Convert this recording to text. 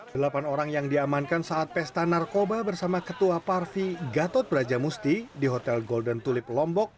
delapan orang yang diamankan saat pesta narkoba bersama ketua parvi gatot brajamusti di hotel golden tulip lombok